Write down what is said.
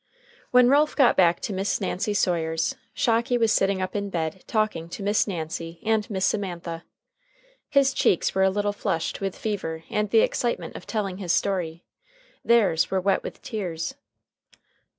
When Ralph got back to Miss Nancy Sawyer's, Shocky was sitting up in bed talking to Miss Nancy and Miss Semantha. His cheeks were a little flushed with fever and the excitement of telling his story; theirs were wet with tears.